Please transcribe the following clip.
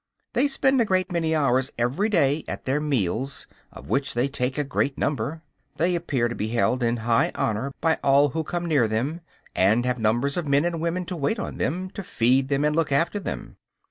They spend a great many hours every day at their meals, of which they take a great number. They appear to be held in high honor by all who come near them; and have numbers of men and women to wait on them, to feed them and look after them.